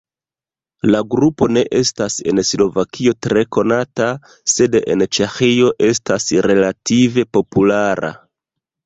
La grupo ne estas en Slovakio tre konata, sed en Ĉeĥio estas relative populara.